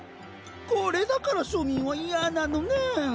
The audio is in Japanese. これだから庶民は嫌なのねん。